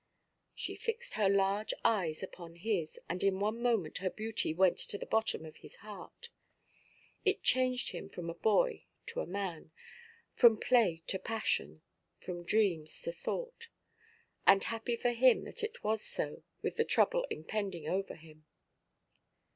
She fixed her large eyes upon his; and in one moment her beauty went to the bottom of his heart. It changed him from a boy to a man, from play to passion, from dreams to thought. And happy for him that it was so, with the trouble impending over him.